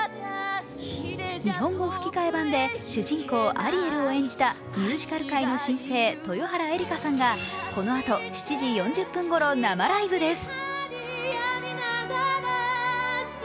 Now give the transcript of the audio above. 日本語吹き替え版で主人公アリエルを演じたミュージカル界の新星豊原江理佳さんが、このあと７時４０分ごろ生ライブです！